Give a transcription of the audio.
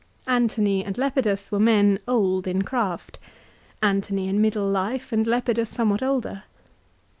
Antony and Lepidus were men old in craft. Antony in middle life and Lepidus somewhat older.